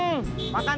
makan tepe bacem